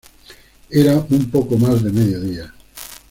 Era un poco más de mediodía.